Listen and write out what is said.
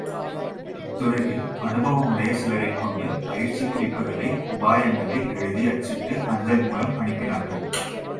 அத்துறையில் அனுபவமுடைய சிலரைக் கொண்டு, பயிற்சிக் குறிப்புகளை, உபாயங்களை எழுதி அச்சிட்டு அஞ்சல் மூலம் அனுப்பினார்கள்.